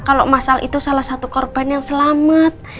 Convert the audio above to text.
kalau masal itu salah satu korban yang selamat